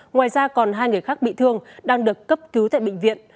ngoài ra còn hai người khác bị thương đang được cấp cứu tại bệnh viện